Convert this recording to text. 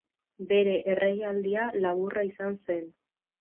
Bere erregealdia laburra izan zen.